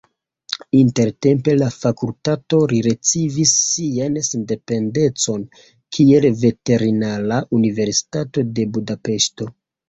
Intertempe la fakultato rericevis sian sendependecon kiel Veterinara Universitato de Budapeŝto.